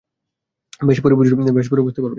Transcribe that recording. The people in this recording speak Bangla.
বেশ, পরে বুঝতে পারবি।